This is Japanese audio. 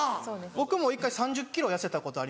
僕も１回３０ｋｇ痩せたことありまして。